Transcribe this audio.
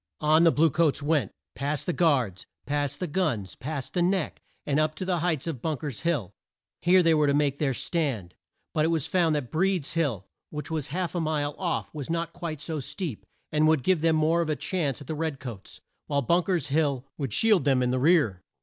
On the blue coats went, past the guards, past the guns, past the Neck, and up to the heights of Bunk er's Hill. Here they were to make their stand, but it was found that Breed's Hill, which was half a mile off, was not quite so steep, and would give them more of a chance at the red coats, while Bunk er's Hill would shield them in the rear.